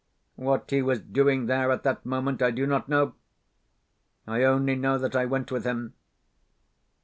What he was doing there at that moment I do not know; I only know that I went with him....